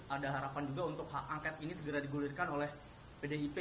ada harapan juga untuk hak angket ini segera digulirkan oleh pdip